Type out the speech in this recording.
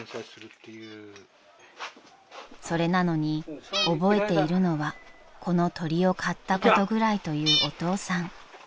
［それなのに覚えているのはこの鳥を買ったことぐらいというお父さん］